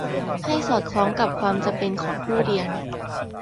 ให้สอดคล้องกับความจำเป็นของผู้เรียน